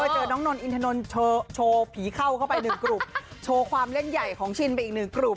เจอน้องนนอินทนนท์โชว์ผีเข้าเข้าไปหนึ่งกลุ่มโชว์ความเล่นใหญ่ของชินไปอีกหนึ่งกลุ่ม